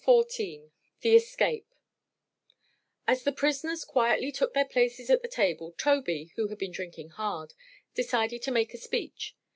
CHAPTER XIV THE ESCAPE As the prisoners quietly took their places at the table Tobey, who had been drinking hard, decided to make a speech.